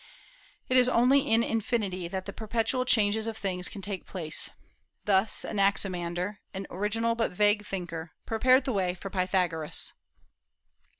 It is only in infinity that the perpetual changes of things can take place. Thus Anaximander, an original but vague thinker, prepared the way for Pythagoras.